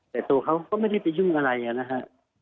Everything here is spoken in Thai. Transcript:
แต่ตัวเขาก็ไม่ได้ไปยุ่งอะไรนะฮะ